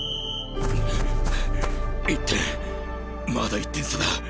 １点まだ１点差だ。